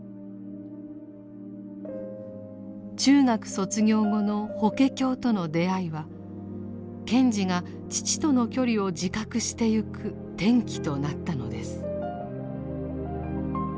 中学卒業後の法華経との出会いは賢治が父との距離を自覚してゆく転機となったのです。